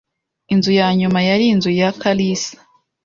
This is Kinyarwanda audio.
Inzu ya nyuma yari inzu ya Kalisa